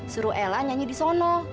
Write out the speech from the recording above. suruh ela nyanyi di sono